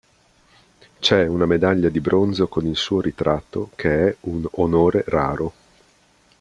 C'è una medaglia di bronzo con il suo ritratto, che è un onore raro.